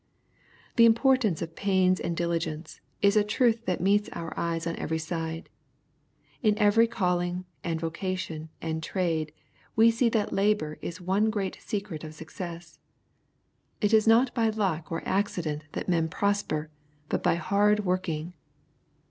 The importance of pains and diligence, is a truth that meets our eyes on every side. In every calling, and vocation, and trade, we see that labor is one great secret of success. It is not by luck or accident that men prosper, but by hard working.